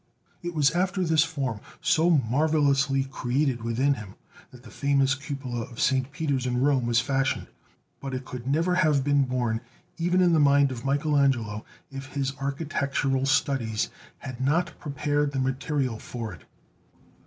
It was after this form, so marvelously created within him, that the famous cupola of St. Peter's in Rome was fashioned. But it could never have been born, even in the mind of Michelangelo, if his architectural studies had not prepared the material for it.